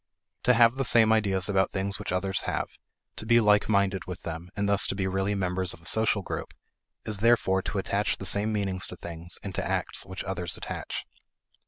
To have the same ideas about things which others have, to be like minded with them, and thus to be really members of a social group, is therefore to attach the same meanings to things and to acts which others attach.